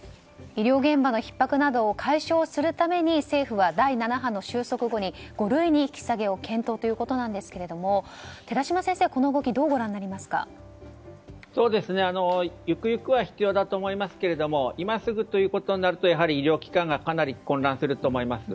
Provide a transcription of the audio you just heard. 医療現場のひっ迫などを解消するために政府は第７波の収束後に五類に引き下げを検討ということなんですけど寺嶋先生は、この動きどうご覧になりますか？ゆくゆくは必要だと思いますが今すぐということになるとやはり、医療機関がかなり混乱すると思います。